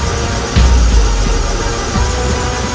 kau tak bisa menyembuhkan